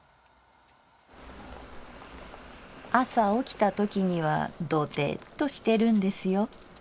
「朝起きたときにはドテッとしてるんですよ。